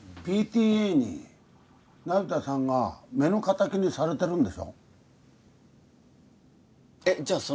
ＰＴＡに那由他さんが目の敵にされてるんでしょえっじゃ